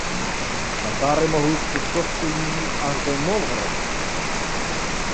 Татари могли спустошити її аж до Новгорода